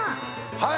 はい！